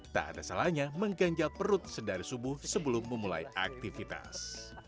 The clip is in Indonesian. tak ada salahnya mengganjal perut sedari subuh sebelum memulai aktivitas